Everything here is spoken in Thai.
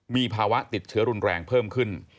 มีภาวะติดเชื้อรุนแรงเพิ่มขึ้น